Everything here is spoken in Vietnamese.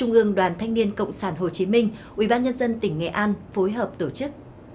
ubnd tỉnh nghệ an phối hợp tổ chức